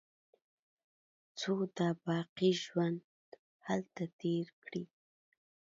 څو د باقي ژوند هلته تېر کړي.